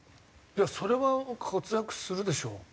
いやそれは活躍するでしょ。